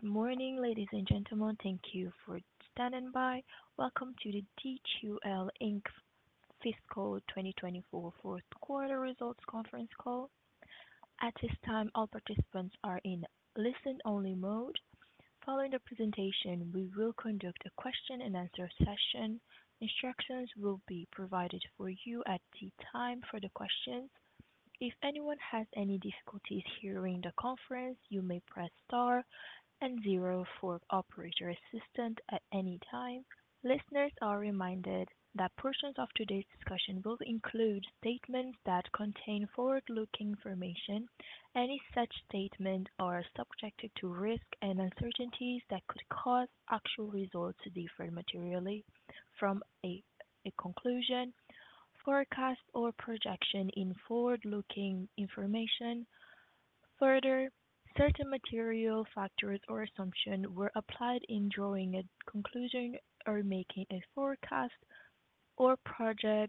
Good morning, ladies and gentlemen. Thank you for standing by. Welcome to the D2L Inc. Fiscal 2024 fourth quarter results conference call. At this time, all participants are in listen-only mode. Following the presentation, we will conduct a question-and-answer session. Instructions will be provided for you at the time for the questions. If anyone has any difficulties hearing the conference, you may press star and zero for operator assistance at any time. Listeners are reminded that portions of today's discussion will include statements that contain forward-looking information. Any such statements are subject to risks and uncertainties that could cause actual results to differ materially from a conclusion, forecast, or projection in forward-looking information. Further, certain material factors or assumptions were applied in drawing a conclusion or making a forecast or projection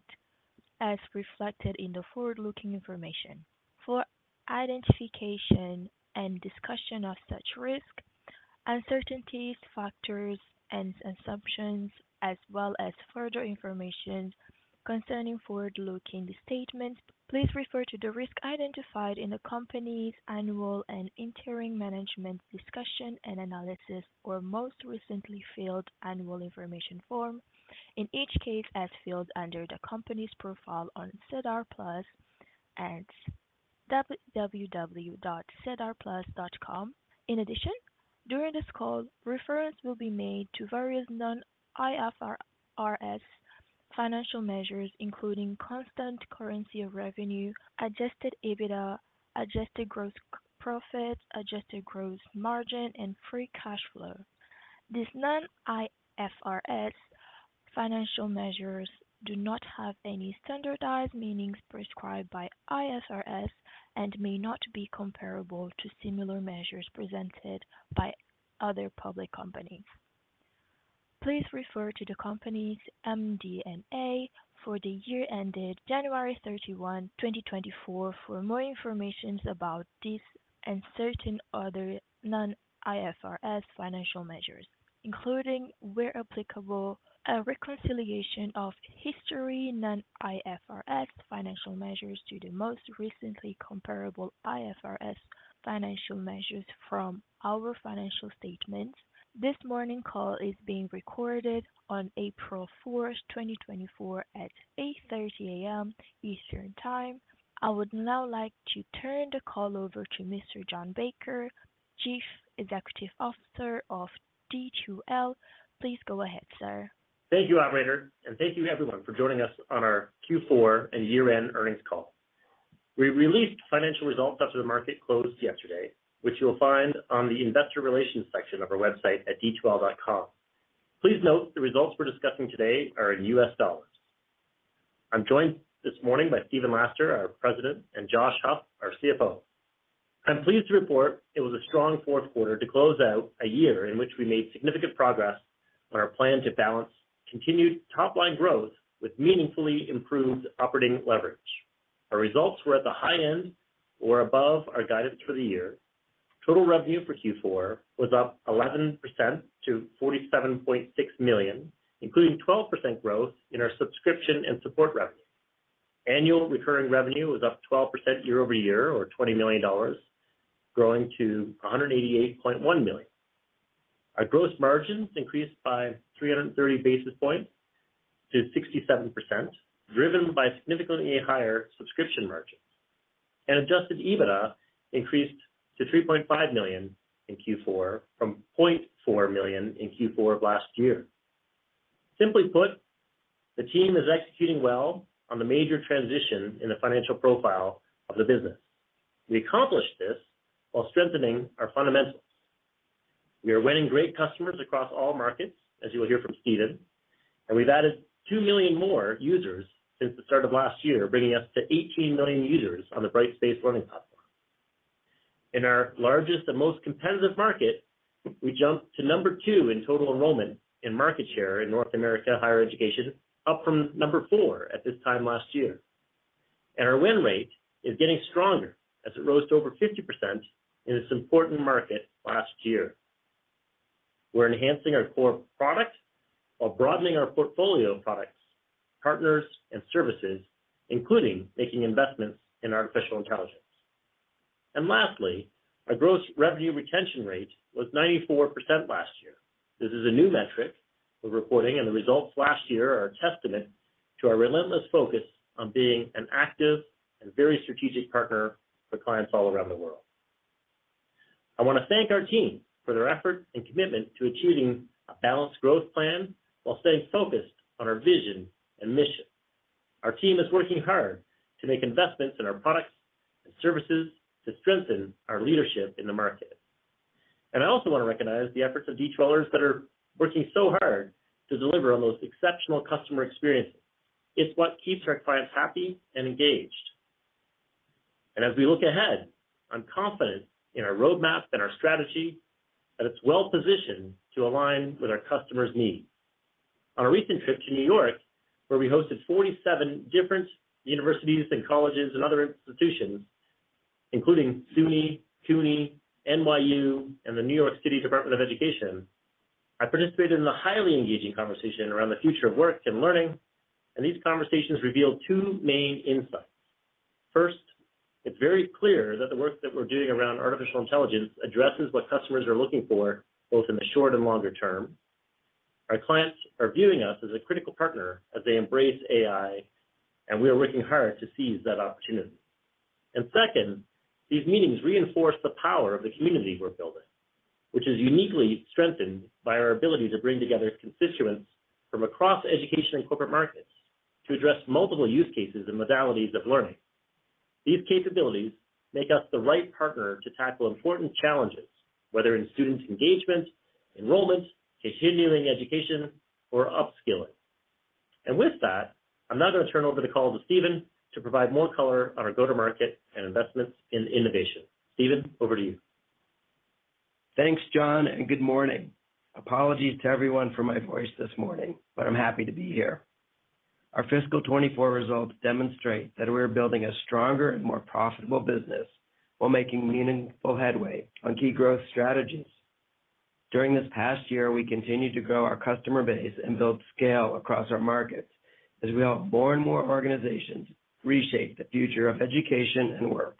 as reflected in the forward-looking information. For identification and discussion of such risks, uncertainties, factors, and assumptions, as well as further information concerning forward-looking statements, please refer to the risks identified in the company's annual and interim management's discussion and analysis or most recently filed annual information form, in each case, as filed under the company's profile on SEDAR+ at www.sedarplus.com. In addition, during this call, reference will be made to various non-IFRS financial measures, including constant currency of revenue, adjusted EBITDA, adjusted gross profits, adjusted gross margin, and free cash flow. These non-IFRS financial measures do not have any standardized meanings prescribed by IFRS and may not be comparable to similar measures presented by other public companies. Please refer to the company's MD&A for the year ended January 31, 2024, for more information about these and certain other non-IFRS financial measures, including, where applicable, a reconciliation of historical non-IFRS financial measures to the most recently comparable IFRS financial measures from our financial statements. This morning call is being recorded on April 4, 2024, at 8:30 A.M. Eastern Time. I would now like to turn the call over to Mr. John Baker, Chief Executive Officer of D2L. Please go ahead, sir. Thank you, operator, and thank you everyone for joining us on our Q4 and year-end earnings call. We released financial results after the market closed yesterday, which you'll find on the investor relations section of our website at d2l.com. Please note, the results we're discussing today are in US dollars. I'm joined this morning by Stephen Laster, our President, and Josh Huff, our CFO. I'm pleased to report it was a strong fourth quarter to close out a year in which we made significant progress on our plan to balance continued top-line growth with meaningfully improved operating leverage. Our results were at the high end or above our guidance for the year. Total revenue for Q4 was up 11% to $47.6 million, including 12% growth in our subscription and support revenue. Annual recurring revenue was up 12% year-over-year, or $20 million, growing to $188.1 million. Our gross margins increased by 330 basis points to 67%, driven by significantly higher subscription margins. Adjusted EBITDA increased to $3.5 million in Q4 from $0.4 million in Q4 of last year. Simply put, the team is executing well on the major transition in the financial profile of the business. We accomplished this while strengthening our fundamentals. We are winning great customers across all markets, as you will hear from Stephen, and we've added two million more users since the start of last year, bringing us to 18 million users on the Brightspace learning platform. In our largest and most competitive market, we jumped to two in total enrollment in market share in North America higher education, up from four at this time last year. And our win rate is getting stronger as it rose to over 50% in this important market last year. We're enhancing our core product while broadening our portfolio of products, partners and services, including making investments in artificial intelligence. And lastly, our gross revenue retention rate was 94% last year. This is a new metric we're reporting, and the results last year are a testament to our relentless focus on being an active and very strategic partner for clients all around the world. I want to thank our team for their effort and commitment to achieving a balanced growth plan while staying focused on our vision and mission. Our team is working hard to make investments in our products and services to strengthen our leadership in the market. I also want to recognize the efforts of D2Lers that are working so hard to deliver the most exceptional customer experience. It's what keeps our clients happy and engaged. As we look ahead, I'm confident in our roadmap and our strategy, that it's well-positioned to align with our customers' needs. On a recent trip to New York, where we hosted 47 different universities and colleges and other institutions, including SUNY, CUNY, NYU, and the New York City Department of Education, I participated in a highly engaging conversation around the future of work and learning, and these conversations revealed two main insights. First, it's very clear that the work that we're doing around artificial intelligence addresses what customers are looking for, both in the short and longer term. Our clients are viewing us as a critical partner as they embrace AI, and we are working hard to seize that opportunity. And second, these meetings reinforce the power of the community we're building, which is uniquely strengthened by our ability to bring together constituents from across education and corporate markets to address multiple use cases and modalities of learning. These capabilities make us the right partner to tackle important challenges, whether in student engagement, enrollment, continuing education, or upskilling. And with that, I'm now going to turn over the call to Stephen to provide more color on our go-to-market and investments in innovation. Stephen, over to you. Thanks, John, and good morning. Apologies to everyone for my voice this morning, but I'm happy to be here. Our fiscal 2024 results demonstrate that we're building a stronger and more profitable business while making meaningful headway on key growth strategies. During this past year, we continued to grow our customer base and build scale across our markets as we help more and more organizations reshape the future of education and work.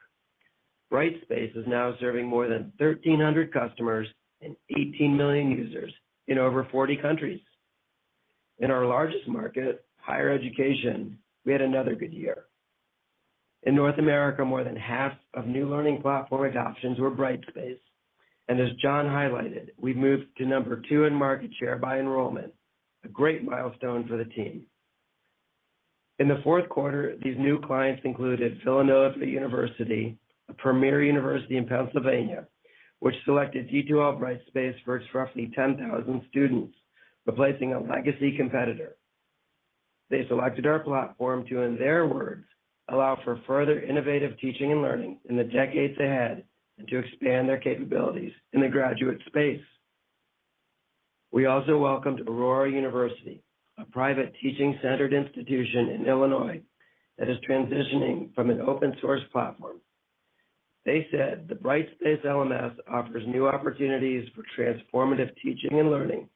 Brightspace is now serving more than 1,300 customers and 18 million users in over 40 countries. In our largest market, higher education, we had another good year. In North America, more than half of new learning platform adoptions were Brightspace, and as John highlighted, we've moved to number two in market share by enrollment, a great milestone for the team. In the fourth quarter, these new clients included Villanova University, a premier university in Pennsylvania, which selected D2L Brightspace for its roughly 10,000 students, replacing a legacy competitor. They selected our platform to, in their words, "Allow for further innovative teaching and learning in the decades ahead, and to expand their capabilities in the graduate space." We also welcomed Aurora University, a private teaching-centered institution in Illinois, that is transitioning from an open-source platform. They said the Brightspace LMS offers new opportunities for transformative teaching and learning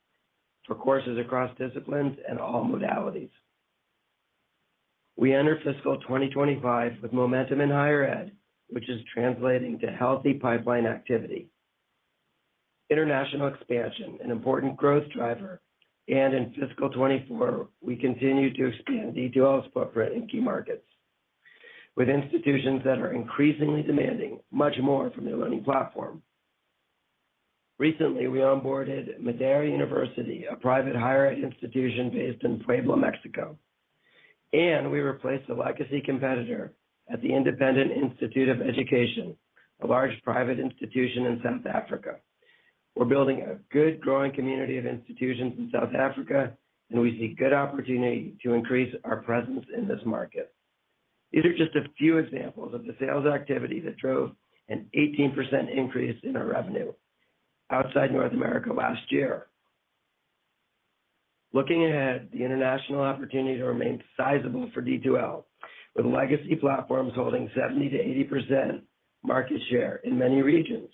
for courses across disciplines and all modalities. We enter fiscal 2025 with momentum in higher ed, which is translating to healthy pipeline activity, international expansion, an important growth driver, and in fiscal 2024, we continued to expand D2L's footprint in key markets, with institutions that are increasingly demanding much more from their learning platform. Recently, we onboarded Madero University, a private higher ed institution based in Puebla, Mexico, and we replaced a legacy competitor at the Independent Institute of Education, a large private institution in South Africa. We're building a good, growing community of institutions in South Africa, and we see good opportunity to increase our presence in this market. These are just a few examples of the sales activity that drove an 18% increase in our revenue outside North America last year. Looking ahead, the international opportunities remain sizable for D2L, with legacy platforms holding 70%-80% market share in many regions.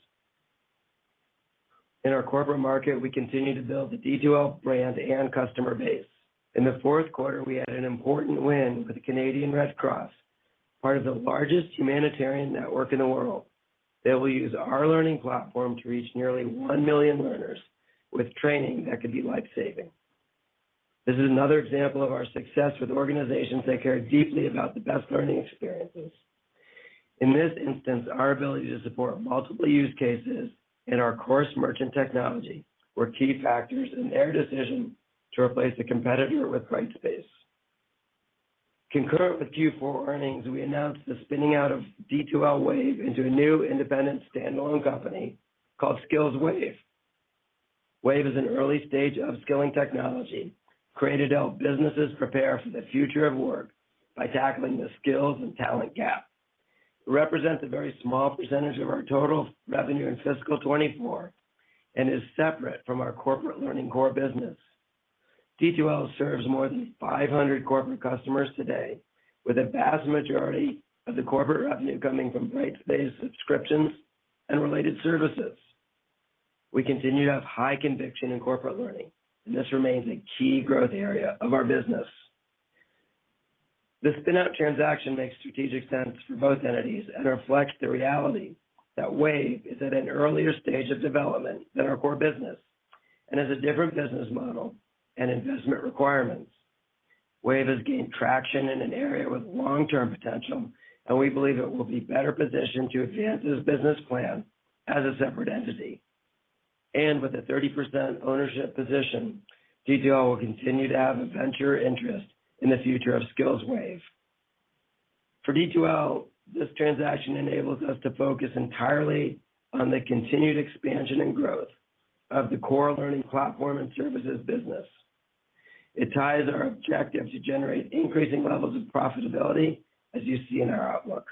In our corporate market, we continue to build the D2L brand and customer base. In the fourth quarter, we had an important win with the Canadian Red Cross, part of the largest humanitarian network in the world, that will use our learning platform to reach nearly one million learners with training that could be life-saving. This is another example of our success with organizations that care deeply about the best learning experiences. In this instance, our ability to support multiple use cases and our Course Merchant technology were key factors in their decision to replace the competitor with Brightspace. Concurrent with Q4 earnings, we announced the spinning out of D2L Wave into a new independent standalone company called SkillsWave. Wave is an early stage upskilling technology created to help businesses prepare for the future of work by tackling the skills and talent gap. It represents a very small percentage of our total revenue in fiscal 2024 and is separate from our corporate learning core business. D2L serves more than 500 corporate customers today, with the vast majority of the corporate revenue coming from Brightspace subscriptions and related services. We continue to have high conviction in corporate learning, and this remains a key growth area of our business. The spin-out transaction makes strategic sense for both entities and reflects the reality that Wave is at an earlier stage of development than our core business, and has a different business model and investment requirements. Wave has gained traction in an area with long-term potential, and we believe it will be better positioned to advance its business plan as a separate entity. With a 30% ownership position, D2L will continue to have a venture interest in the future of SkillsWave. For D2L, this transaction enables us to focus entirely on the continued expansion and growth of the core learning platform and services business. It ties our objective to generate increasing levels of profitability, as you see in our outlook.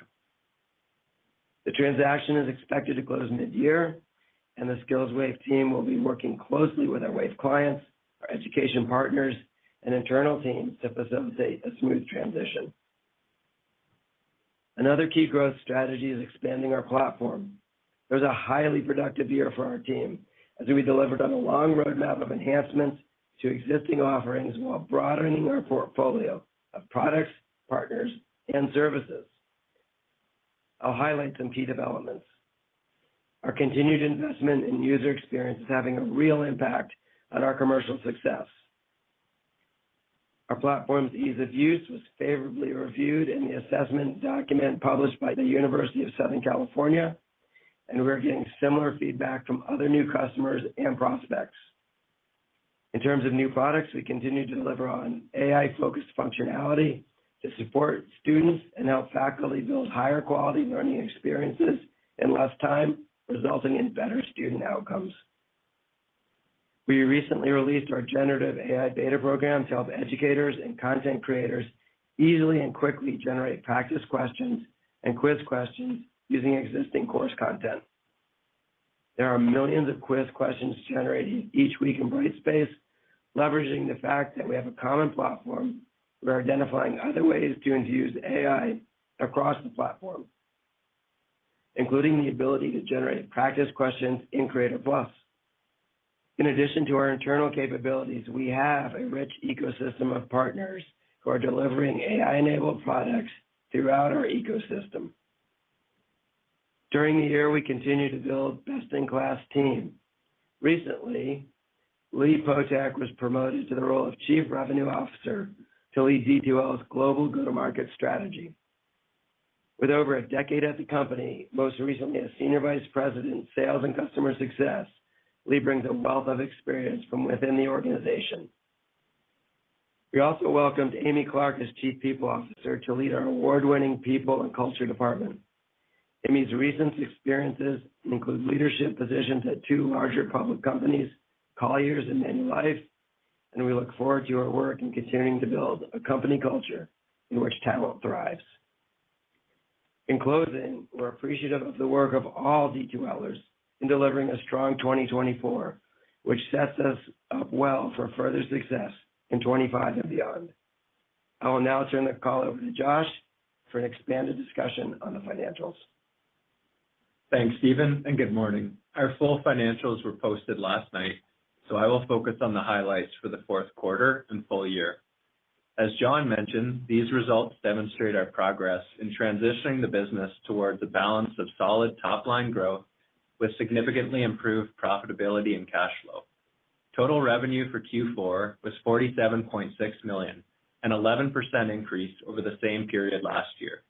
The transaction is expected to close mid-year, and the Skills Wave team will be working closely with our Wave clients, our education partners, and internal teams to facilitate a smooth transition. Another key growth strategy is expanding our platform. It was a highly productive year for our team as we delivered on a long roadmap of enhancements to existing offerings while broadening our portfolio of products, partners, and services. I'll highlight some key developments. Our continued investment in user experience is having a real impact on our commercial success. Our platform's ease of use was favorably reviewed in the assessment document published by the University of Southern California, and we're getting similar feedback from other new customers and prospects. In terms of new products, we continue to deliver on AI-focused functionality to support students and help faculty build higher-quality learning experiences in less time, resulting in better student outcomes. We recently released our generative AI beta program to help educators and content creators easily and quickly generate practice questions and quiz questions using existing course content. There are millions of quiz questions generated each week in Brightspace. Leveraging the fact that we have a common platform, we're identifying other ways to infuse AI across the platform, including the ability to generate practice questions in Creator+. In addition to our internal capabilities, we have a rich ecosystem of partners who are delivering AI-enabled products throughout our ecosystem. During the year, we continued to build best-in-class team. Recently, Lee Poteck was promoted to the role of Chief Revenue Officer to lead D2L's global go-to-market strategy. With over a decade at the company, most recently as Senior Vice President, Sales and Customer Success, Lee brings a wealth of experience from within the organization. We also welcomed Amy Clark as Chief People Officer to lead our award-winning people and culture department. Amy's recent experiences include leadership positions at two larger public companies, Colliers and Manulife, and we look forward to her work in continuing to build a company culture in which talent thrives. In closing, we're appreciative of the work of all D2Lers in delivering a strong 2024, which sets us up well for further success in 2025 and beyond. I will now turn the call over to Josh for an expanded discussion on the financials. Thanks, Stephen, and good morning. Our full financials were posted last night, so I will focus on the highlights for the fourth quarter and full year. As John mentioned, these results demonstrate our progress in transitioning the business towards a balance of solid top-line growth with significantly improved profitability and cash flow. Total revenue for Q4 was $47.6 million, an 11% increase over the same period last year.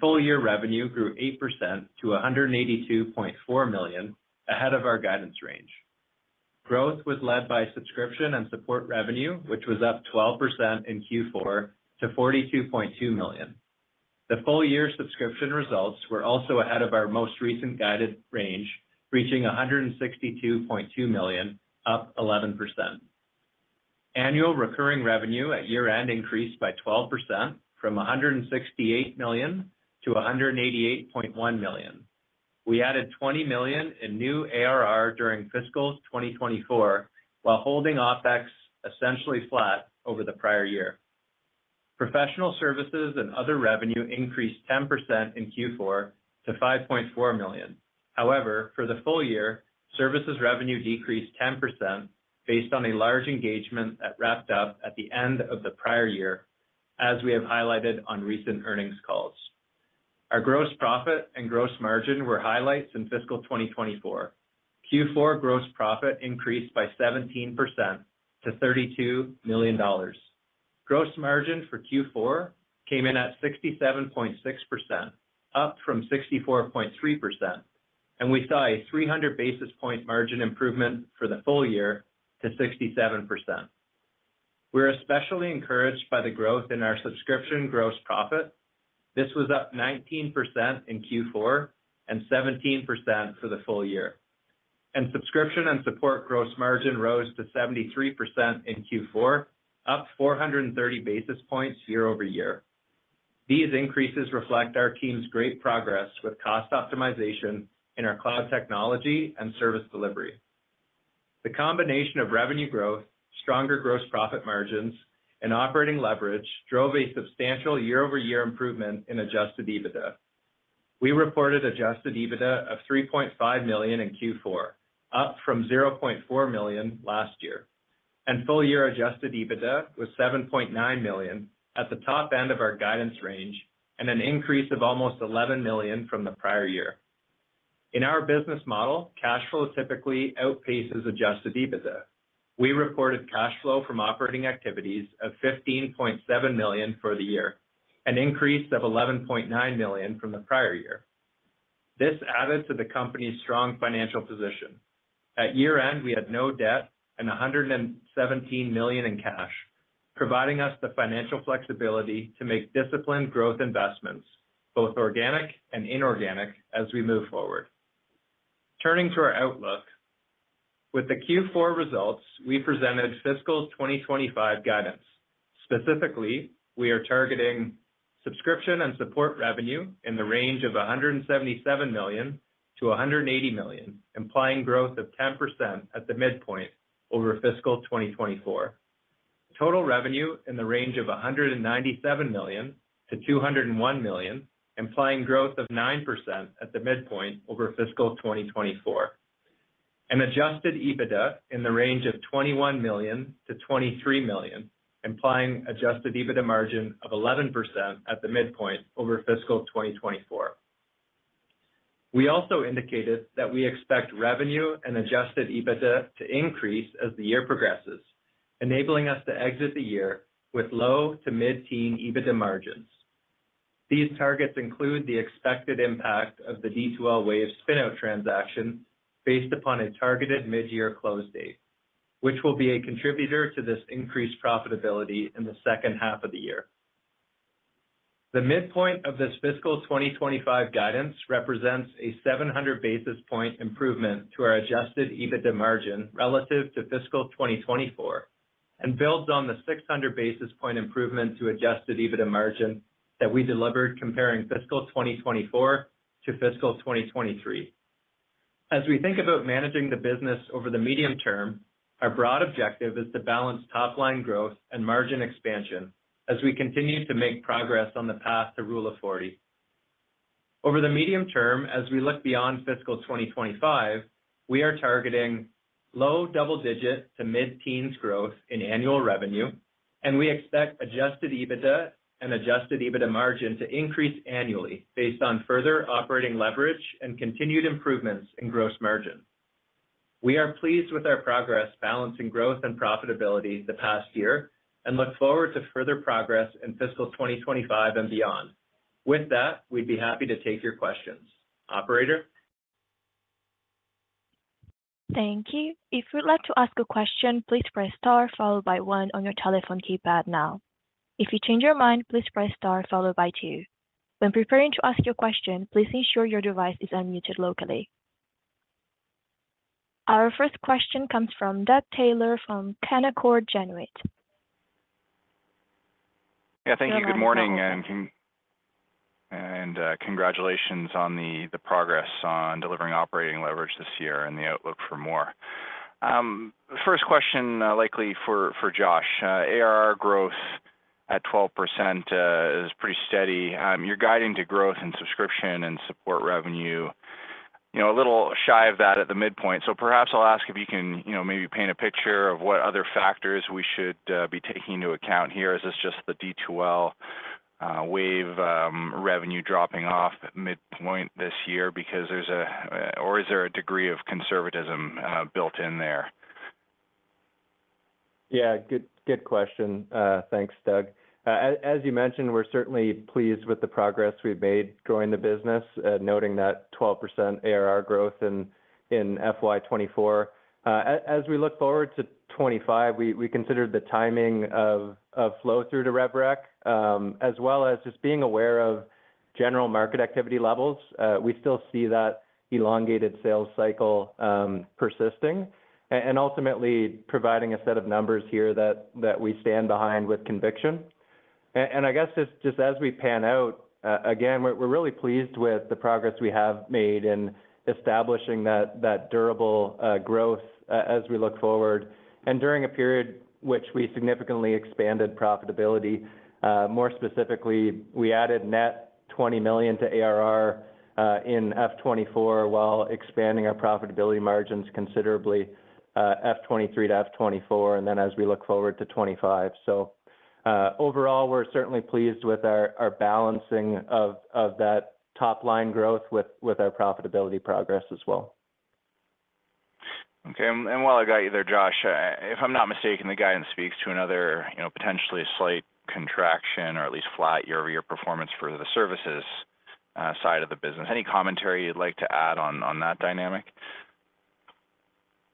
Full-year revenue grew 8% to $182.4 million, ahead of our guidance range. Growth was led by subscription and support revenue, which was up 12% in Q4 to $42.2 million. The full-year subscription results were also ahead of our most recent guided range, reaching $162.2 million, up 11%. Annual recurring revenue at year-end increased by 12% from $168 million to $188.1 million. We added $20 million in new ARR during fiscal 2024, while holding OpEx essentially flat over the prior year. Professional services and other revenue increased 10% in Q4 to $5.4 million. However, for the full year, services revenue decreased 10% based on a large engagement that wrapped up at the end of the prior year, as we have highlighted on recent earnings calls. Our gross profit and gross margin were highlights in fiscal 2024. Q4 gross profit increased by 17% to $32 million. Gross margin for Q4 came in at 67.6%, up from 64.3%, and we saw a 300 basis point margin improvement for the full year to 67%. We're especially encouraged by the growth in our subscription gross profit. This was up 19% in Q4 and 17% for the full year. Subscription and support gross margin rose to 73% in Q4, up 430 basis points year-over-year. These increases reflect our team's great progress with cost optimization in our cloud technology and service delivery. The combination of revenue growth, stronger gross profit margins, and operating leverage drove a substantial year-over-year improvement in adjusted EBITDA. We reported adjusted EBITDA of $3.5 million in Q4, up from $0.4 million last year. Full-year adjusted EBITDA was $7.9 million, at the top end of our guidance range, and an increase of almost $11 million from the prior year. In our business model, cash flow typically outpaces adjusted EBITDA. We reported cash flow from operating activities of $15.7 million for the year, an increase of $11.9 million from the prior year. This added to the company's strong financial position. At year-end, we had no debt and $117 million in cash, providing us the financial flexibility to make disciplined growth investments, both organic and inorganic, as we move forward. Turning to our outlook. With the Q4 results, we presented fiscal 2025 guidance. Specifically, we are targeting subscription and support revenue in the range of $177 million-$180 million, implying growth of 10% at the midpoint over fiscal 2024. Total revenue in the range of $197 million-$201 million, implying growth of 9% at the midpoint over fiscal 2024. An adjusted EBITDA in the range of $21 million-$23 million, implying adjusted EBITDA margin of 11% at the midpoint over fiscal 2024. We also indicated that we expect revenue and adjusted EBITDA to increase as the year progresses, enabling us to exit the year with low- to mid-teen EBITDA margins. These targets include the expected impact of the D2L Wave spin-out transaction based upon a targeted mid-year close date, which will be a contributor to this increased profitability in the second half of the year. The midpoint of this fiscal 2025 guidance represents a 700 basis point improvement to our adjusted EBITDA margin relative to fiscal 2024, and builds on the 600 basis point improvement to adjusted EBITDA margin that we delivered comparing fiscal 2024 to fiscal 2023. As we think about managing the business over the medium term, our broad objective is to balance top-line growth and margin expansion as we continue to make progress on the path to Rule of 40. Over the medium term, as we look beyond fiscal 2025, we are targeting low double-digit to mid-teens growth in annual revenue, and we expect adjusted EBITDA and adjusted EBITDA margin to increase annually based on further operating leverage and continued improvements in gross margin. We are pleased with our progress balancing growth and profitability the past year, and look forward to further progress in fiscal 2025 and beyond. With that, we'd be happy to take your questions. Operator? Thank you. If you'd like to ask a question, please press star, followed by one on your telephone keypad now. If you change your mind, please press star, followed by two. When preparing to ask your question, please ensure your device is unmuted locally. Our first question comes from Doug Taylor from Canaccord Genuity. Yeah, thank you. Good morning, and congratulations on the progress on delivering operating leverage this year and the outlook for more. First question, likely for Josh. ARR growth at 12% is pretty steady. You're guiding to growth in subscription and support revenue, you know, a little shy of that at the midpoint. So perhaps I'll ask if you can, you know, maybe paint a picture of what other factors we should be taking into account here. Is this just the D2L Wave revenue dropping off at midpoint this year because there's a... Or is there a degree of conservatism built in there? Yeah, good, good question. Thanks, Doug. As, as you mentioned, we're certainly pleased with the progress we've made growing the business, noting that 12% ARR growth in, in FY 2024. As we look forward to 2025, we, we considered the timing of, of flow through to rev rec, as well as just being aware of general market activity levels. We still see that elongated sales cycle, persisting and ultimately providing a set of numbers here that, that we stand behind with conviction. And I guess just, just as we pan out, again, we're, we're really pleased with the progress we have made in establishing that, that durable, growth as we look forward, and during a period which we significantly expanded profitability. More specifically, we added net $20 million to ARR in FY 2024, while expanding our profitability margins considerably, FY 2023 to FY 2024, and then as we look forward to 2025. So, overall, we're certainly pleased with our balancing of that top-line growth with our profitability progress as well. Okay. And while I got you there, Josh, if I'm not mistaken, the guidance speaks to another, you know, potentially slight contraction or at least flat year-over-year performance for the services, side of the business. Any commentary you'd like to add on that dynamic?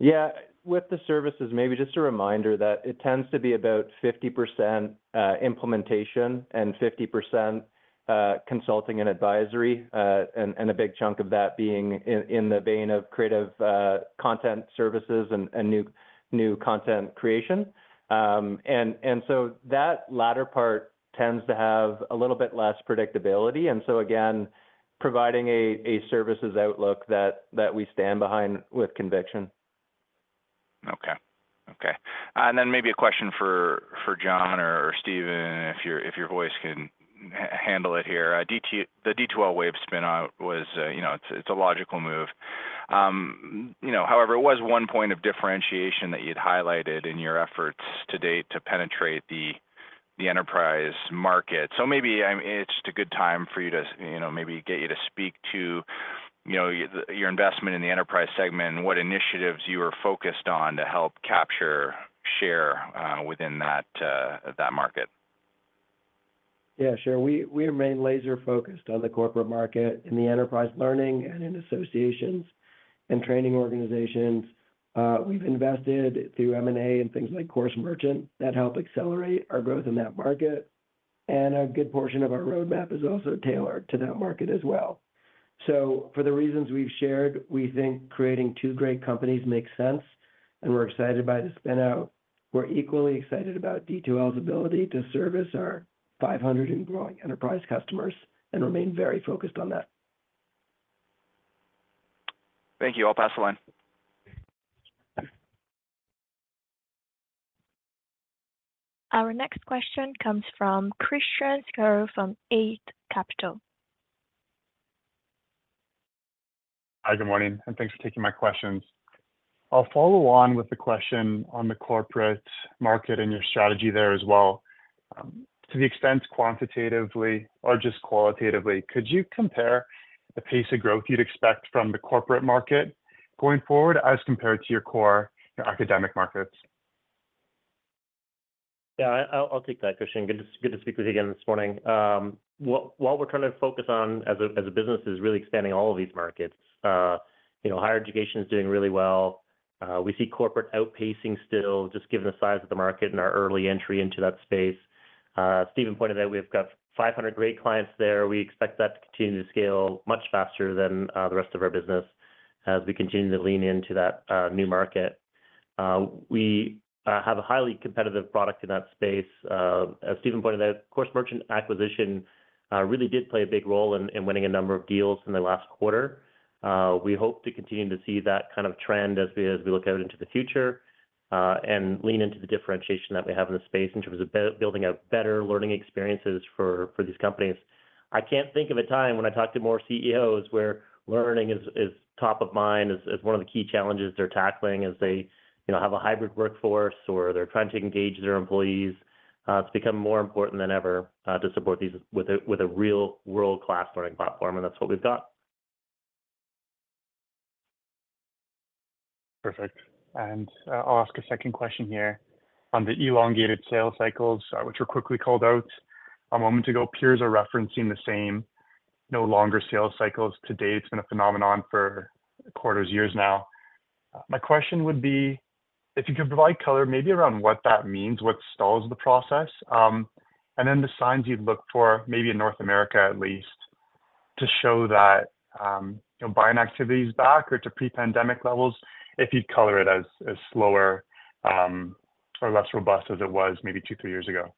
Yeah. With the services, maybe just a reminder that it tends to be about 50% implementation and 50% consulting and advisory, and a big chunk of that being in the vein of creative content services and new content creation. And so that latter part tends to have a little bit less predictability, and so again, providing a services outlook that we stand behind with conviction. Okay. Okay. And then maybe a question for John or Stephen, if your voice can handle it here. The D2L Wave spin out was, you know, it's a logical move. You know, however, it was one point of differentiation that you'd highlighted in your efforts to date to penetrate the enterprise market. So maybe it's just a good time for you to, you know, maybe get you to speak to your investment in the enterprise segment and what initiatives you are focused on to help capture share within that market. Yeah, sure. We remain laser focused on the corporate market, in the enterprise learning, and in associations and training organizations. We've invested through M&A and things like Course Merchant, that help accelerate our growth in that market.... and a good portion of our roadmap is also tailored to that market as well. So for the reasons we've shared, we think creating two great companies makes sense, and we're excited by the spin-out. We're equally excited about D2L's ability to service our 500 and growing enterprise customers and remain very focused on that. Thank you. I'll pass the line. Our next question comes from Christian Sgarro from Eight Capital. Hi, good morning, and thanks for taking my questions. I'll follow on with the question on the corporate market and your strategy there as well. To the extent quantitatively or just qualitatively, could you compare the pace of growth you'd expect from the corporate market going forward as compared to your core, your academic markets? Yeah, I, I'll take that, Christian. Good to, good to speak with you again this morning. What we're trying to focus on as a, as a business is really expanding all of these markets. You know, higher education is doing really well. We see corporate outpacing still, just given the size of the market and our early entry into that space. Stephen pointed out we've got 500 great clients there. We expect that to continue to scale much faster than the rest of our business as we continue to lean into that new market. We have a highly competitive product in that space. As Stephen pointed out, Course Merchant acquisition really did play a big role in winning a number of deals in the last quarter. We hope to continue to see that kind of trend as we, as we look out into the future, and lean into the differentiation that we have in the space in terms of building out better learning experiences for, for these companies. I can't think of a time when I talked to more CEOs where learning is, is top of mind, as, as one of the key challenges they're tackling as they, you know, have a hybrid workforce or they're trying to engage their employees. It's become more important than ever, to support these with a, with a real world-class learning platform, and that's what we've got. Perfect. And, I'll ask a second question here. On the elongated sales cycles, which were quickly called out a moment ago, peers are referencing the same longer sales cycles to date. It's been a phenomenon for quarters, years now. My question would be, if you could provide color maybe around what that means, what stalls the process, and then the signs you'd look for, maybe in North America at least, to show that, you know, buying activity is back or to pre-pandemic levels, if you'd color it as, as slower, or less robust as it was maybe two, three years ago.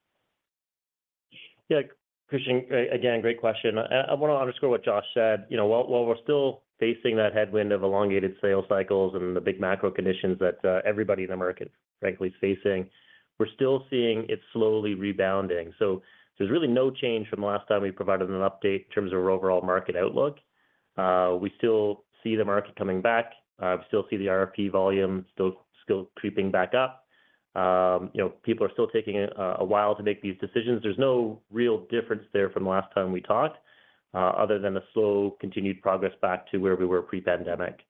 Yeah, Christian, again, great question. I wanna underscore what Josh said. You know, while we're still facing that headwind of elongated sales cycles and the big macro conditions that everybody in the market frankly is facing, we're still seeing it slowly rebounding. So there's really no change from the last time we provided an update in terms of our overall market outlook. We still see the market coming back. We still see the RFP volume still creeping back up. You know, people are still taking a while to make these decisions. There's no real difference there from the last time we talked, other than the slow, continued progress back to where we were pre-pandemic.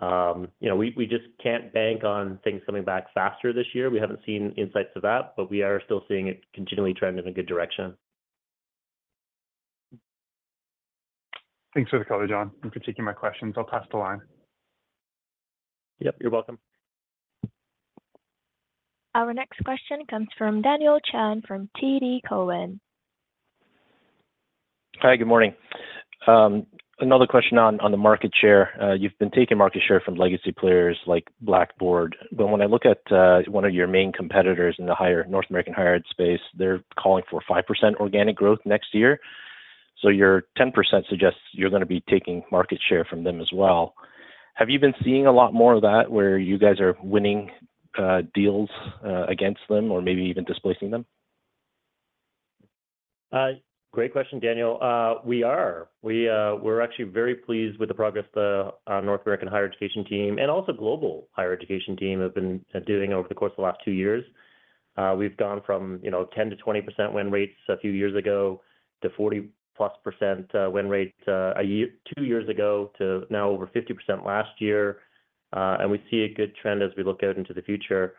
You know, we just can't bank on things coming back faster this year. We haven't seen insights of that, but we are still seeing it continually trend in a good direction. Thanks for the color, John, and for taking my questions. I'll pass the line. Yep, you're welcome. Our next question comes from Daniel Chan, from TD Cowen. Hi, good morning. Another question on, on the market share. You've been taking market share from legacy players like Blackboard, but when I look at, one of your main competitors in the higher- North American higher ed space, they're calling for 5% organic growth next year. So your 10% suggests you're going to be taking market share from them as well. Have you been seeing a lot more of that, where you guys are winning, deals, against them or maybe even displacing them? Great question, Daniel. We're actually very pleased with the progress the North American higher education team, and also global higher education team, have been doing over the course of the last two years. We've gone from, you know, 10%-20% win rates a few years ago, to 40+% win rates two years ago, to now over 50% last year. And we see a good trend as we look out into the future.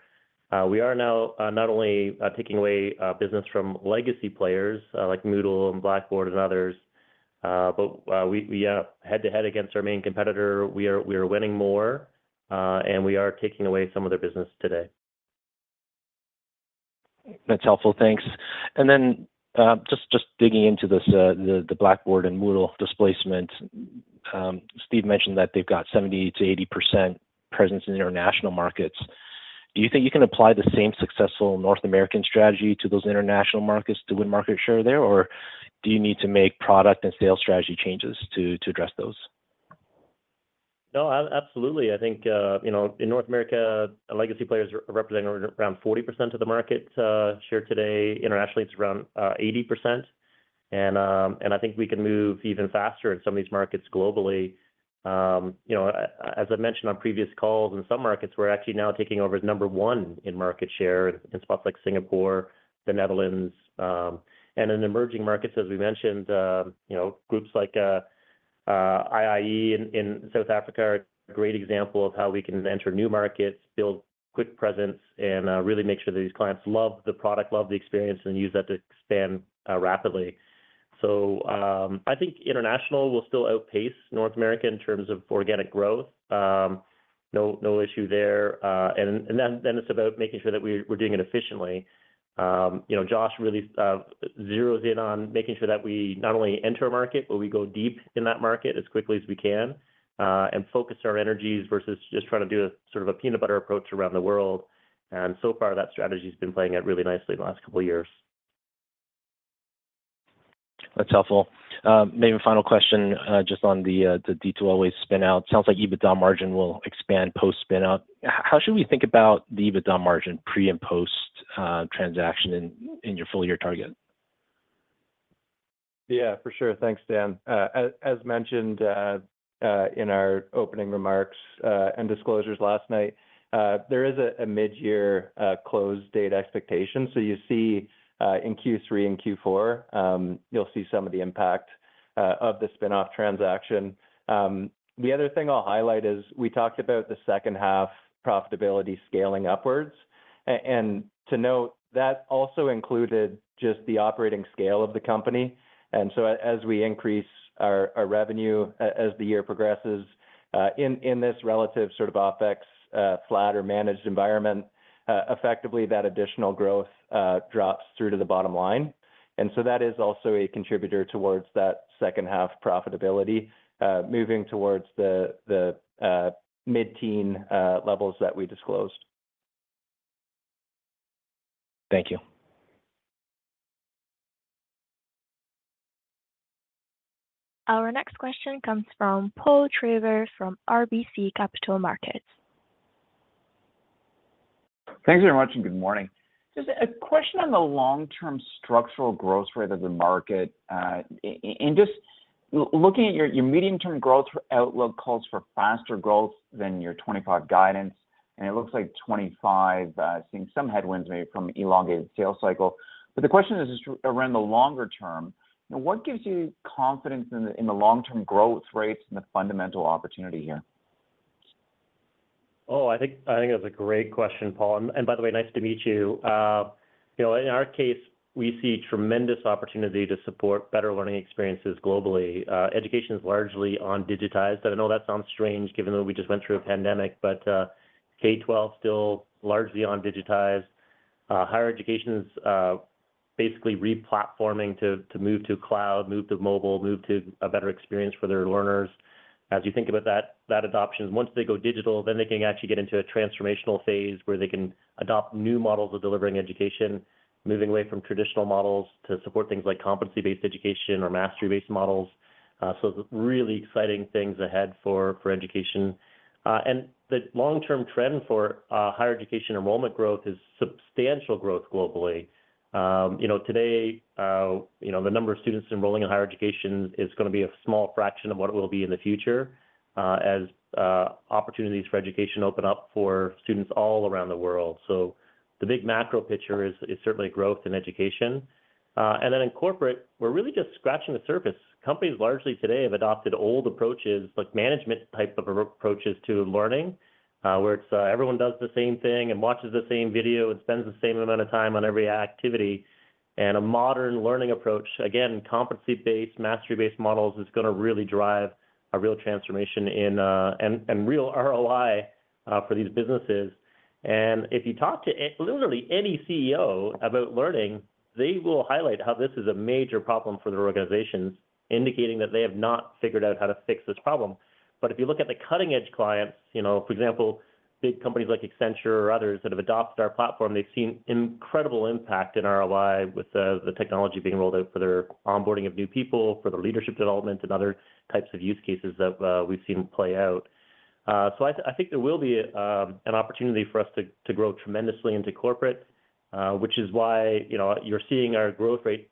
We are now not only taking away business from legacy players like Moodle and Blackboard and others, but we head-to-head against our main competitor, we are winning more, and we are taking away some of their business today. That's helpful. Thanks. And then, just digging into this, the Blackboard and Moodle displacement. Steve mentioned that they've got 70%-80% presence in the international markets. Do you think you can apply the same successful North American strategy to those international markets to win market share there, or do you need to make product and sales strategy changes to address those? No, absolutely. I think, you know, in North America, legacy players representing around 40% of the market share today. Internationally, it's around 80%. And I think we can move even faster in some of these markets globally. You know, as I mentioned on previous calls, in some markets, we're actually now taking over as number one in market share in spots like Singapore, the Netherlands. And in emerging markets, as we mentioned, you know, groups like IIE in South Africa are a great example of how we can enter new markets, build quick presence, and really make sure that these clients love the product, love the experience, and use that to expand rapidly. So, I think international will still outpace North America in terms of organic growth. No, no issue there. And then it's about making sure that we're doing it efficiently. You know, Josh really zeroes in on making sure that we not only enter a market, but we go deep in that market as quickly as we can, and focus our energies versus just trying to do a sort of a peanut butter approach around the world. And so far, that strategy has been playing out really nicely in the last couple of years. That's helpful. Maybe a final question, just on the D2L spin out. Sounds like EBITDA margin will expand post-spin out. How should we think about the EBITDA margin pre- and post- transaction in your full year target? Yeah, for sure. Thanks, Dan. As mentioned in our opening remarks and disclosures last night, there is a mid-year close date expectation. So you see in Q3 and Q4, you'll see some of the impact of the spin-off transaction. The other thing I'll highlight is, we talked about the second half profitability scaling upwards. And to note, that also included just the operating scale of the company. And so as we increase our revenue as the year progresses, in this relative sort of OpEx flatter managed environment, effectively, that additional growth drops through to the bottom line. And so that is also a contributor towards that second half profitability moving towards the mid-teen levels that we disclosed. Thank you. Our next question comes from Paul Treiber from RBC Capital Markets. Thanks very much, and good morning. Just a question on the long-term structural growth rate of the market. And just looking at your medium-term growth outlook calls for faster growth than your 25 guidance, and it looks like 25, seeing some headwinds maybe from elongated sales cycle. But the question is just around the longer term, what gives you confidence in the, in the long-term growth rates and the fundamental opportunity here? Oh, I think, I think that's a great question, Paul. And by the way, nice to meet you. You know, in our case, we see tremendous opportunity to support better learning experiences globally. Education is largely undigitized, and I know that sounds strange, given that we just went through a pandemic, but, K-12 still largely undigitized. Higher education is, basically re-platforming to, to move to cloud, move to mobile, move to a better experience for their learners. As you think about that, that adoption, once they go digital, then they can actually get into a transformational phase where they can adopt new models of delivering education, moving away from traditional models to support things like competency-based education or mastery-based models. So really exciting things ahead for, for education. And the long-term trend for, higher education enrollment growth is substantial growth globally. You know, today, you know, the number of students enrolling in higher education is gonna be a small fraction of what it will be in the future, as opportunities for education open up for students all around the world. So the big macro picture is certainly growth in education. And then in corporate, we're really just scratching the surface. Companies largely today have adopted old approaches, like management type of approaches to learning, where it's everyone does the same thing and watches the same video and spends the same amount of time on every activity. And a modern learning approach, again, competency-based, mastery-based models, is gonna really drive a real transformation in and real ROI for these businesses. If you talk to literally any CEO about learning, they will highlight how this is a major problem for their organizations, indicating that they have not figured out how to fix this problem. But if you look at the cutting-edge clients, you know, for example, big companies like Accenture or others that have adopted our platform, they've seen incredible impact in ROI with the technology being rolled out for their onboarding of new people, for their leadership development, and other types of use cases that we've seen play out. So I think there will be an opportunity for us to grow tremendously into corporate, which is why, you know, you're seeing our growth rate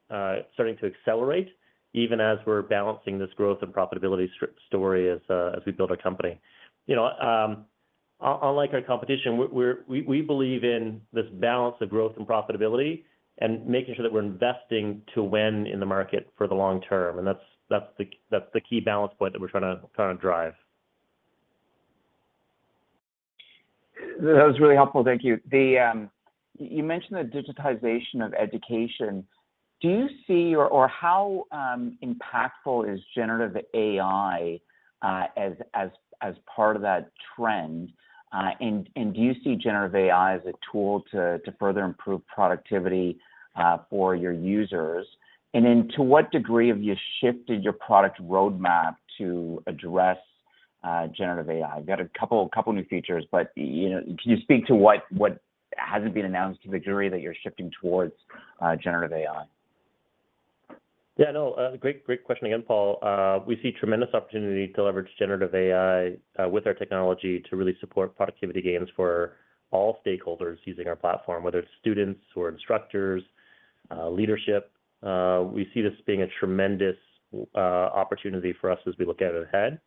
starting to accelerate even as we're balancing this growth and profitability story as we build our company. You know, unlike our competition, we're, we believe in this balance of growth and profitability and making sure that we're investing to win in the market for the long term, and that's the key balance point that we're trying to drive. That was really helpful. Thank you. The... You mentioned the digitization of education. Do you see how impactful is generative AI as part of that trend? And do you see generative AI as a tool to further improve productivity for your users? And then to what degree have you shifted your product roadmap to address generative AI? You got a couple new features, but you know, can you speak to what hasn't been announced to the jury that you're shifting towards generative AI? Yeah, no, great, great question again, Paul. We see tremendous opportunity to leverage generative AI with our technology to really support productivity gains for all stakeholders using our platform, whether it's students or instructors, leadership. We see this being a tremendous opportunity for us as we look at it ahead.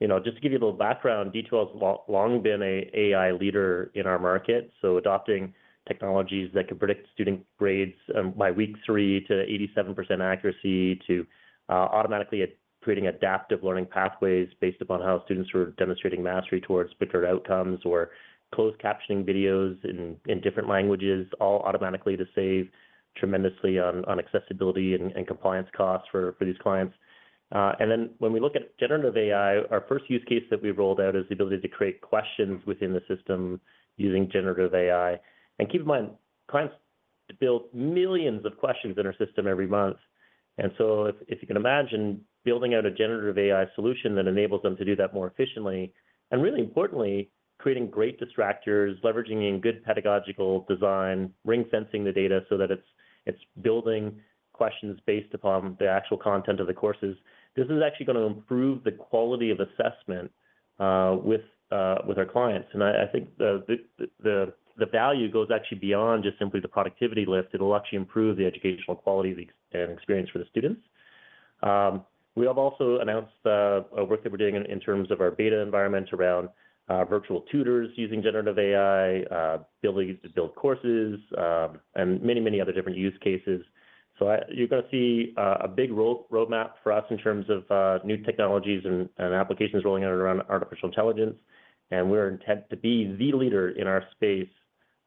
You know, just to give you a little background, D2L has long been an AI leader in our market, so adopting technologies that can predict student grades by week 3 to 87% accuracy, automatically creating adaptive learning pathways based upon how students were demonstrating mastery towards particular outcomes, or closed-captioning videos in different languages, all automatically to save tremendously on accessibility and compliance costs for these clients. And then when we look at generative AI, our first use case that we rolled out is the ability to create questions within the system using generative AI. And keep in mind, clients build millions of questions in our system every month. And so if you can imagine building out a generative AI solution that enables them to do that more efficiently, and really importantly, creating great distractors, leveraging in good pedagogical design, ring-fencing the data so that it's building questions based upon the actual content of the courses. This is actually gonna improve the quality of assessment with with our clients. And I think the value goes actually beyond just simply the productivity list. It'll actually improve the educational quality and experience for the students. We have also announced a work that we're doing in terms of our beta environment around virtual tutors using generative AI, ability to build courses, and many, many other different use cases. So you're gonna see a big roadmap for us in terms of new technologies and applications rolling out around artificial intelligence. And we're intent to be the leader in our space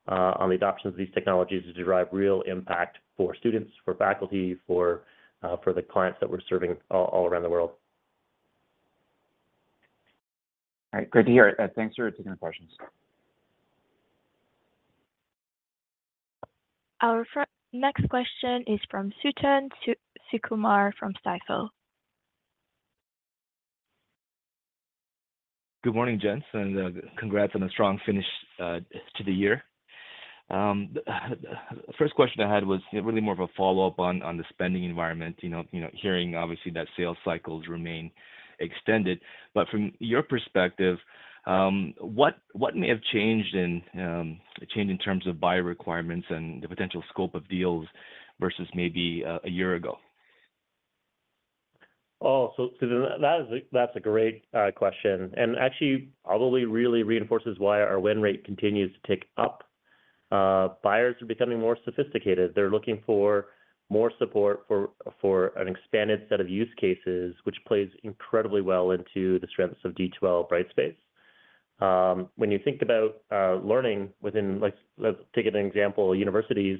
on the adoption of these technologies to derive real impact for students, for faculty, for the clients that we're serving all around the world. All right. Great to hear it. Thanks for taking the questions. Our next question is from Suthan Sukumar from Stifel. Good morning, gents, and congrats on a strong finish to the year. First question I had was, you know, really more of a follow-up on the spending environment, you know, hearing obviously that sales cycles remain extended. But from your perspective, what may have changed in terms of buyer requirements and the potential scope of deals versus maybe a year ago? Oh, so Sutan, that's a great question, and actually probably really reinforces why our win rate continues to tick up. Buyers are becoming more sophisticated. They're looking for more support for an expanded set of use cases, which plays incredibly well into the strengths of D2L Brightspace. When you think about learning within like... Let's take an example, universities,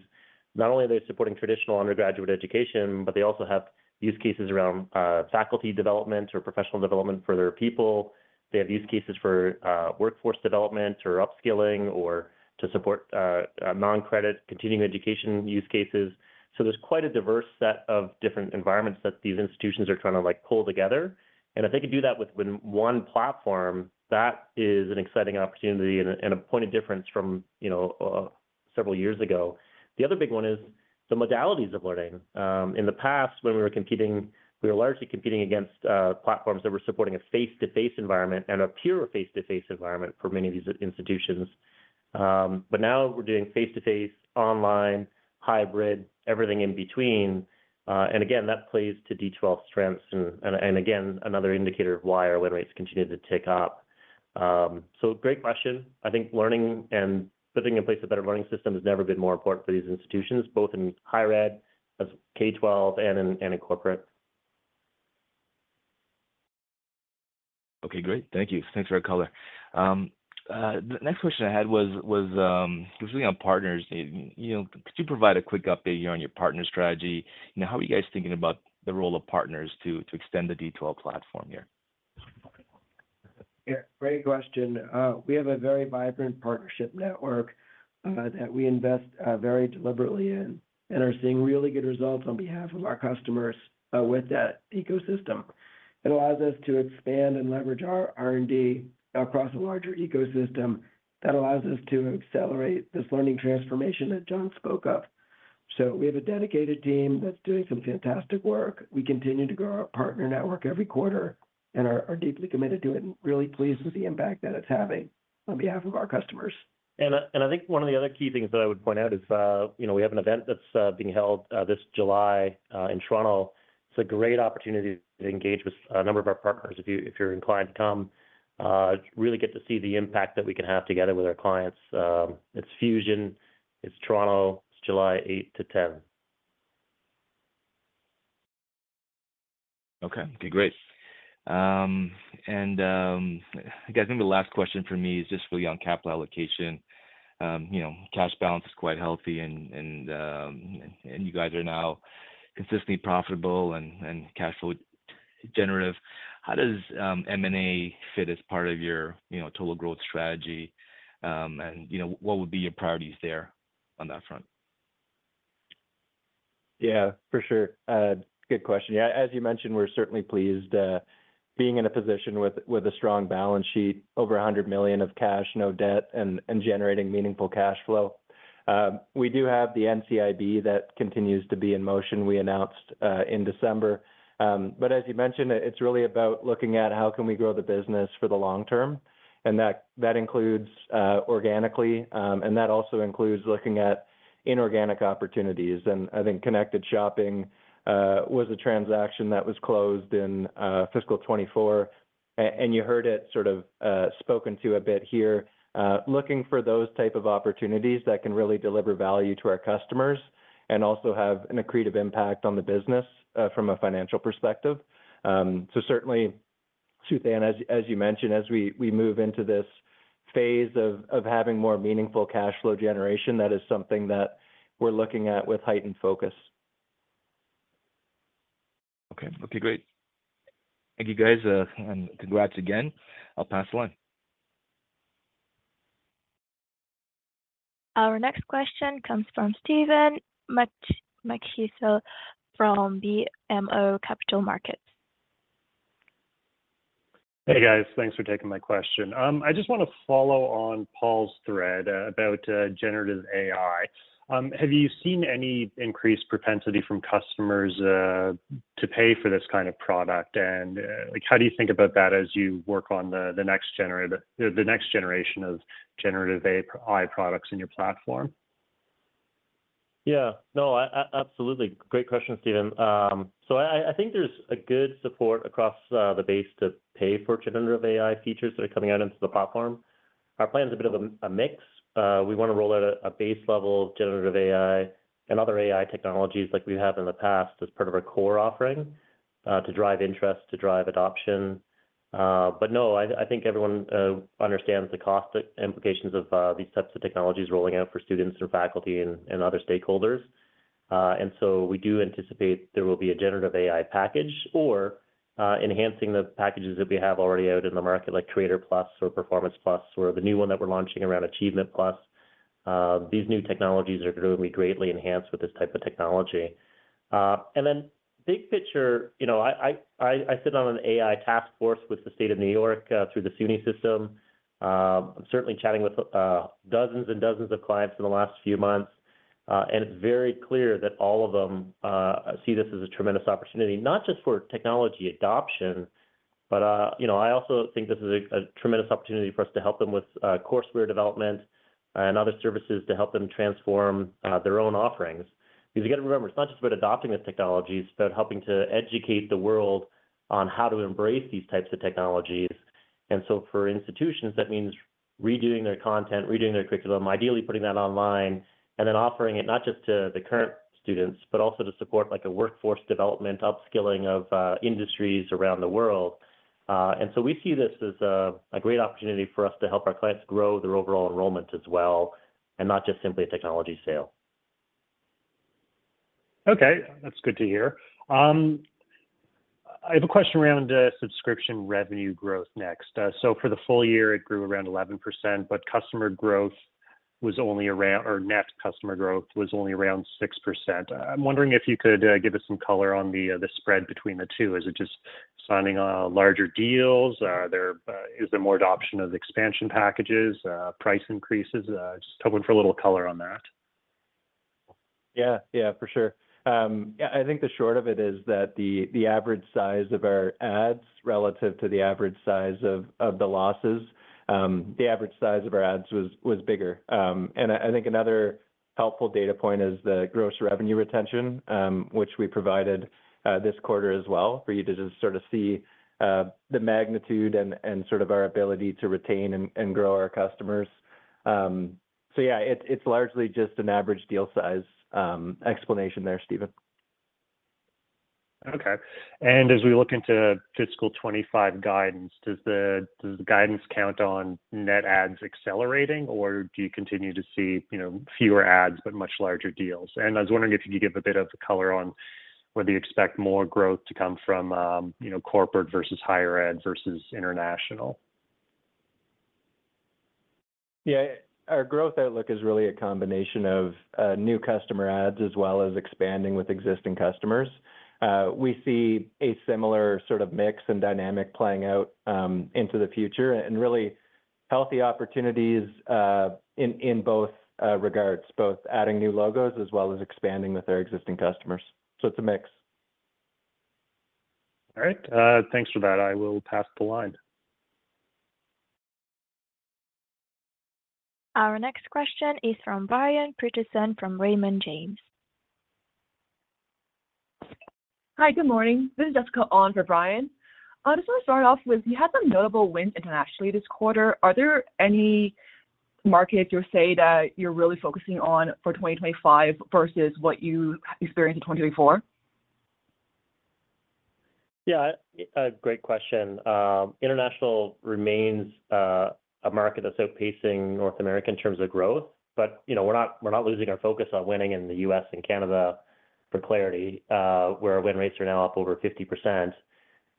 not only are they supporting traditional undergraduate education, but they also have use cases around faculty development or professional development for their people. They have use cases for workforce development or upskilling or to support a non-credit continuing education use cases. So there's quite a diverse set of different environments that these institutions are trying to, like, pull together. If they could do that with one platform, that is an exciting opportunity and a point of difference from, you know, several years ago. The other big one is the modalities of learning. In the past, when we were competing, we were largely competing against platforms that were supporting a face-to-face environment and a pure face-to-face environment for many of these institutions. But now we're doing face-to-face, online, hybrid, everything in between. And again, that plays to D2L's strengths, and again, another indicator of why our win rates continue to tick up. So great question. I think learning and putting in place a better learning system has never been more important for these institutions, both in higher ed, K-12, and corporate. Okay, great. Thank you. Thanks for your color. The next question I had was specifically on partners. You know, could you provide a quick update here on your partner strategy? You know, how are you guys thinking about the role of partners to extend the D2L platform here? Yeah, great question. We have a very vibrant partnership network that we invest very deliberately in, and are seeing really good results on behalf of our customers with that ecosystem. It allows us to expand and leverage our R&D across a larger ecosystem that allows us to accelerate this learning transformation that John spoke of. So we have a dedicated team that's doing some fantastic work. We continue to grow our partner network every quarter and are deeply committed to it and really pleased with the impact that it's having on behalf of our customers. I think one of the other key things that I would point out is, you know, we have an event that's being held this July in Toronto. It's a great opportunity to engage with a number of our partners. If you, if you're inclined to come, really get to see the impact that we can have together with our clients. It's Fusion, it's Toronto, it's July 8-10. Okay, okay, great. And I guess maybe the last question from me is just really on capital allocation. You know, cash balance is quite healthy and you guys are now consistently profitable and cash flow generative. How does M&A fit as part of your, you know, total growth strategy? And you know, what would be your priorities there on that front? Yeah, for sure. Good question. Yeah, as you mentioned, we're certainly pleased, being in a position with a strong balance sheet, over $100 million of cash, no debt, and generating meaningful cash flow. We do have the NCIB that continues to be in motion we announced in December. But as you mentioned, it's really about looking at how can we grow the business for the long term, and that includes organically, and that also includes looking at inorganic opportunities. And I think Connected Shopping was a transaction that was closed in fiscal 2024.... And you heard it sort of spoken to a bit here, looking for those type of opportunities that can really deliver value to our customers and also have an accretive impact on the business, from a financial perspective. So certainly, Suthan, as you mentioned, as we move into this phase of having more meaningful cash flow generation, that is something that we're looking at with heightened focus. Okay. Okay, great. Thank you, guys, and congrats again. I'll pass the line. Our next question comes from Stephen Machielsen from BMO Capital Markets. Hey, guys. Thanks for taking my question. I just want to follow on Paul's thread, about generative AI. Have you seen any increased propensity from customers, to pay for this kind of product? And, like, how do you think about that as you work on the next generation of generative AI products in your platform? Yeah. No, absolutely. Great question, Stephen. So I think there's a good support across the base to pay for generative AI features that are coming out into the platform. Our plan is a bit of a mix. We want to roll out a base level of generative AI and other AI technologies like we have in the past, as part of our core offering, to drive interest, to drive adoption. But no, I think everyone understands the cost implications of these types of technologies rolling out for students or faculty and other stakeholders. And so we do anticipate there will be a generative AI package or enhancing the packages that we have already out in the market, like Creator+ or Performance+, or the new one that we're launching around Achievement+. These new technologies are going to be greatly enhanced with this type of technology. And then big picture, you know, I sit on an AI task force with the State of New York, through the SUNY system. Certainly chatting with dozens and dozens of clients in the last few months, and it's very clear that all of them see this as a tremendous opportunity, not just for technology adoption, but, you know, I also think this is a tremendous opportunity for us to help them with courseware development and other services to help them transform their own offerings. Because you got to remember, it's not just about adopting the technology, it's about helping to educate the world on how to embrace these types of technologies. And so for institutions, that means redoing their content, redoing their curriculum, ideally putting that online, and then offering it not just to the current students, but also to support, like, a workforce development, upskilling of industries around the world. And so we see this as a great opportunity for us to help our clients grow their overall enrollment as well, and not just simply a technology sale. Okay, that's good to hear. I have a question around subscription revenue growth next. So for the full year, it grew around 11%, but customer growth was only around or net customer growth was only around 6%. I'm wondering if you could give us some color on the the spread between the two. Is it just signing on larger deals? Are there is there more adoption of expansion packages price increases? Just hoping for a little color on that. Yeah, yeah, for sure. Yeah, I think the short of it is that the average size of our adds relative to the average size of the losses, the average size of our adds was bigger. And I think another helpful data point is the Gross Revenue Retention, which we provided this quarter as well, for you to just sort of see the magnitude and sort of our ability to retain and grow our customers. So yeah, it's largely just an average deal size explanation there, Stephen. Okay. And as we look into fiscal 25 guidance, does the guidance count on net adds accelerating, or do you continue to see, you know, fewer adds, but much larger deals? And I was wondering if you could give a bit of color on whether you expect more growth to come from, you know, corporate versus higher ed versus international. Yeah. Our growth outlook is really a combination of, new customer ads as well as expanding with existing customers. We see a similar sort of mix and dynamic playing out, into the future, and really healthy opportunities, in both regards, both adding new logos as well as expanding with our existing customers. So it's a mix. All right. Thanks for that. I will pass the line. Our next question is from Brian Peterson from Raymond James. Hi, good morning. This is Jessica on for Brian. I just want to start off with, you had some notable wins internationally this quarter. Are there any markets you'll say that you're really focusing on for 2025 versus what you experienced in 2024? Yeah, a great question. International remains a market that's outpacing North America in terms of growth. But, you know, we're not, we're not losing our focus on winning in the U.S. and Canada for clarity, where our win rates are now up over 50%.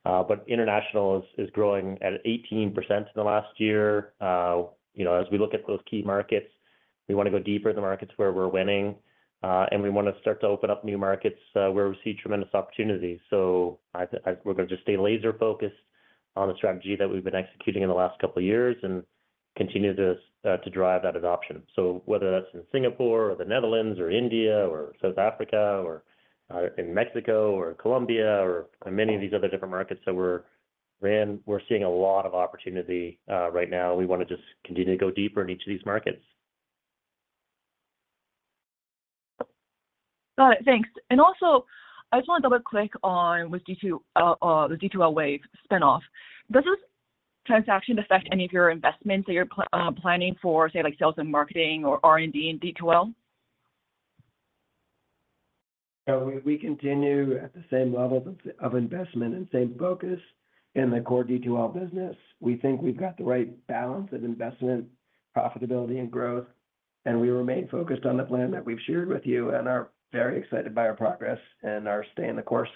But international is growing at 18% in the last year. You know, as we look at those key markets, we want to go deeper in the markets where we're winning, and we want to start to open up new markets, where we see tremendous opportunity. So we're going to just stay laser focused on the strategy that we've been executing in the last couple of years and continue to drive that adoption. Whether that's in Singapore, or the Netherlands, or India, or South Africa, or, in Mexico or Colombia, or many of these other different markets that we're in, we're seeing a lot of opportunity, right now. We want to just continue to go deeper in each of these markets.... Got it. Thanks. And also, I just want to double-click on with D2, the D2L Wave spin-off. Does this transaction affect any of your investments that you're planning for, say, like sales and marketing or R&D in D2L? No, we continue at the same level of investment and same focus in the core D2L business. We think we've got the right balance of investment, profitability, and growth, and we remain focused on the plan that we've shared with you and are very excited by our progress and are staying the course.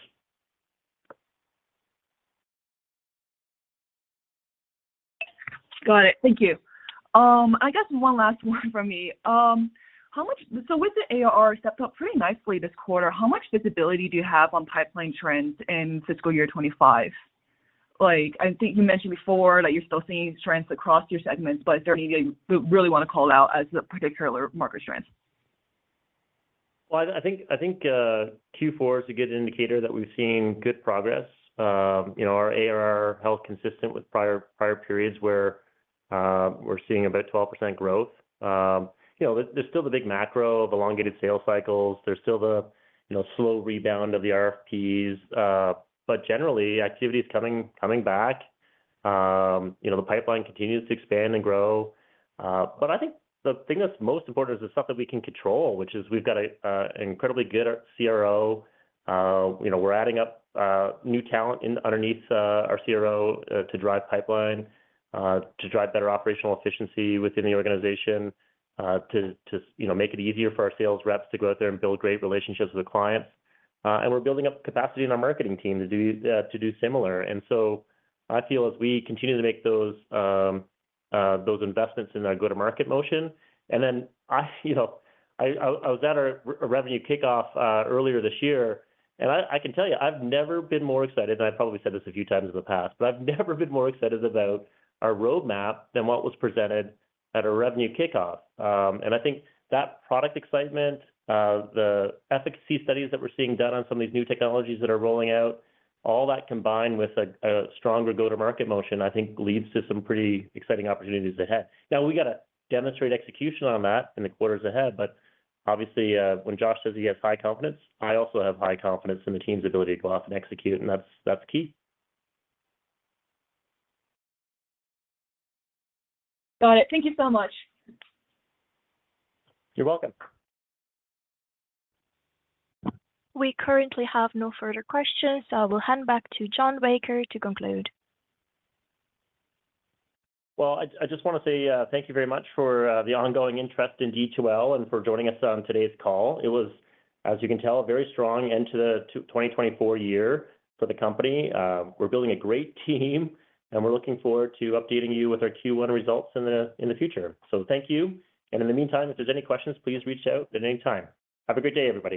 Got it. Thank you. I guess one last one from me. How much-- So with the ARR stepped up pretty nicely this quarter, how much visibility do you have on pipeline trends in fiscal year 2025? Like, I think you mentioned before that you're still seeing trends across your segments, but is there anything you really want to call out as a particular market strength? Well, I think Q4 is a good indicator that we've seen good progress. You know, our ARR held consistent with prior periods where we're seeing about 12% growth. You know, there's still the big macro of elongated sales cycles. There's still the, you know, slow rebound of the RFPs, but generally, activity is coming back. You know, the pipeline continues to expand and grow. But I think the thing that's most important is the stuff that we can control, which is we've got an incredibly good CRO. You know, we're adding up new talent in, underneath our CRO, to drive pipeline, to drive better operational efficiency within the organization, to you know, make it easier for our sales reps to go out there and build great relationships with the clients. And we're building up capacity in our marketing team to do similar. And so I feel as we continue to make those, those investments in our go-to-market motion, and then I, you know, I, I, I was at our revenue kickoff earlier this year, and I can tell you, I've never been more excited, and I've probably said this a few times in the past, but I've never been more excited about our roadmap than what was presented at our revenue kickoff. And I think that product excitement, the efficacy studies that we're seeing done on some of these new technologies that are rolling out, all that combined with a stronger go-to-market motion, I think leads to some pretty exciting opportunities ahead. Now, we got to demonstrate execution on that in the quarters ahead, but obviously, when Josh says he has high confidence, I also have high confidence in the team's ability to go off and execute, and that's, that's key. Got it. Thank you so much. You're welcome. We currently have no further questions, so I will hand back to John Baker to conclude. Well, I just want to say thank you very much for the ongoing interest in D2L and for joining us on today's call. It was, as you can tell, a very strong end to the 2024 year for the company. We're building a great team, and we're looking forward to updating you with our Q1 results in the future. So thank you. And in the meantime, if there's any questions, please reach out at any time. Have a great day, everybody.